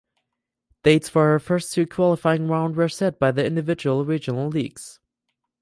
Dates for the first two qualifying round were set by the individual Regional leagues.